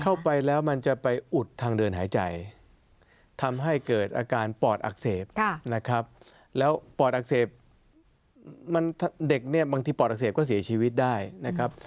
เข้าไปแล้วมันจะไปอุดทางเดินหายใจทำให้เกิดอาการปอดอักเสบนะครับแล้วปอดอักเสบมันเด็กเนี่ยบางทีปอดอักเสบก็เสียชีวิตได้นะครับ